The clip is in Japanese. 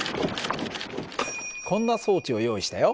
こんな装置を用意したよ。